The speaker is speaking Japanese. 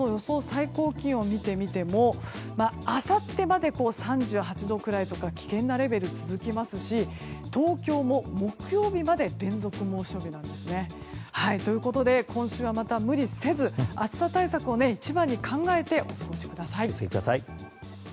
最高気温を見てみてもあさってまで３８度くらいとか危険なレベルが続きますし東京も木曜日まで連続猛暑日なんですね。ということで今週はまた無理をせず暑さ対策を一番に考えてお過ごしください。